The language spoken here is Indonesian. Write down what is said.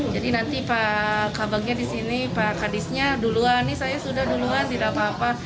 jadi nanti pak kabangnya disini pak kadisnya duluan ini saya sudah duluan tidak apa apa